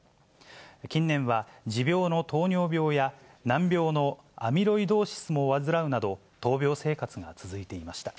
近年は持病の糖尿病や、難病のアミロイドーシスも患うなど、闘病生活が続いていました。